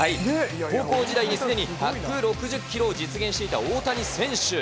高校時代にすでに１６０キロを実現していた大谷選手。